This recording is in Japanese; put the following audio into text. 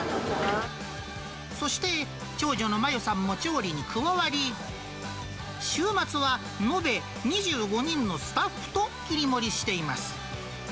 そして、長女の真由さんも調理に加わり、週末は延べ２５人のスタッフと切り盛りしています。